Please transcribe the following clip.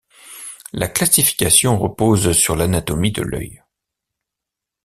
La classification repose sur l'anatomie de l'œil.